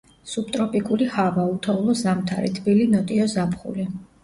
სუბტროპიკული ჰავა, უთოვლო ზამთარი, თბილი ნოტიო ზაფხული.